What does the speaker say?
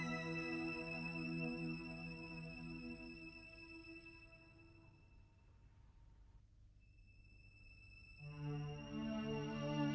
aku sudah berjalan